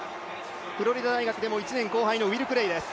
フロリダ大学でも１年後輩のウィル・クレイ手。